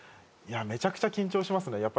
いやめちゃくちゃ緊張しますね。